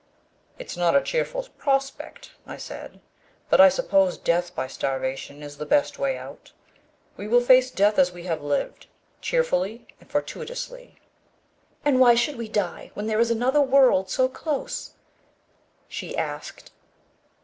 "It's not a cheerful prospect," I said, "but I suppose death by starvation is the best way out. We will face death as we have lived, cheerfully and fortuitously." "And why should we die, when there is another world so close?" she asked.